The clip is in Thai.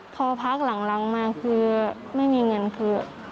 พอพักหลังมาคือไม่มีเงินคือ